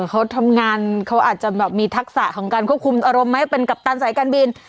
เขาทำงานเขาอาจจะแบบมีทักษะของการควบคุมอารมณ์ไหมเป็นกัปตันสายการบิน